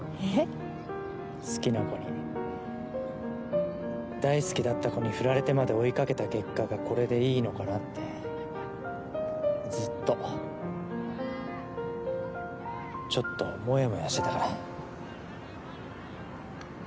好きな子に大好きだった子に振られてまで追いかけた結果がこれでいいのかなってずっと、ちょっともやもやしてたから。